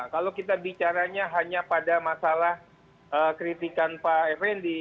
kalau kita bicaranya hanya pada masalah kritikan pak effendi